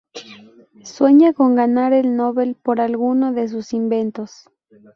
Sueña con ganar el Nóbel por alguno de sus inventos.